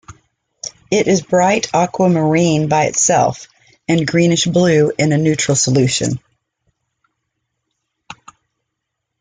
It is bright aquamarine by itself, and greenish-blue in a neutral solution.